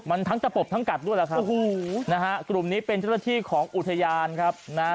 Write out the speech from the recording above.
มันทั้งตะปบทั้งกัดด้วยแหละครับโอ้โหนะฮะกลุ่มนี้เป็นเจ้าหน้าที่ของอุทยานครับนะฮะ